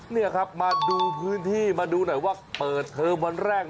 นี่ครับมาดูพื้นที่มาดูหน่อยว่าเปิดเทอมวันแรก